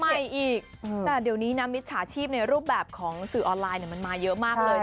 ใหม่อีกแต่เดี๋ยวนี้นะมิจฉาชีพในรูปแบบของสื่อออนไลน์มันมาเยอะมากเลย